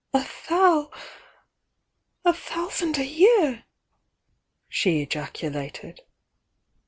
"A thou — a thousand a year!" she ejaculated.